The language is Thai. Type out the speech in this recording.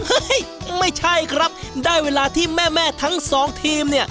ไม่ใช่ครับได้เวลาที่แม่ทั้งสองทีมเนี่ย